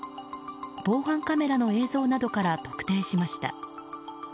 防犯カメラの映像などから特定しました。